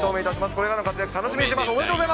これからの活躍を楽しみにしています。